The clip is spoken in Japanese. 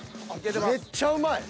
めっちゃうまい。